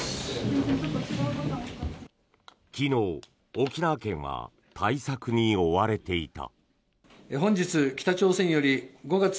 昨日、沖縄県は対策に追われていた。